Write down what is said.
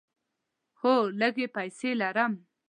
هو، لږې پیسې لرم